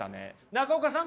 中岡さん